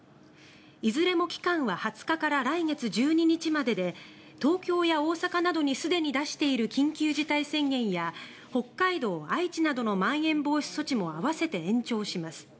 いずれも期間は２０日から来月１２日までで東京や大阪などにすでに出している緊急事態宣言や北海道、愛知などのまん延防止措置も併せて延長します。